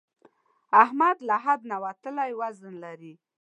احمد له حد نه وتلی وزن لري.